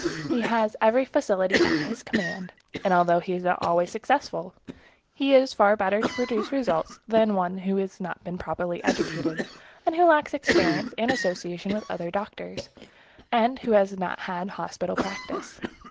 He has every facility at his command, and although he is not always successful, he is far better able to produce results than is one who has not been properly educated, and who lacks experience and association with other doctors, and who has not had hospital practice.